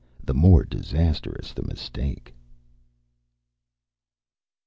the more disastrous the mistake!